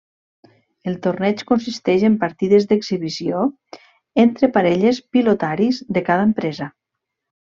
El torneig consisteix en partides d'exhibició entre parelles pilotaris de cada empresa.